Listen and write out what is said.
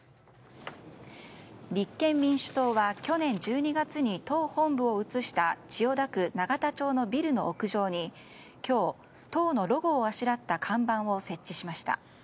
立憲民主党は去年１２月に党本部を移した千代田区永田町のビルの屋上に今日、党のロゴをあしらった看板を設置しました。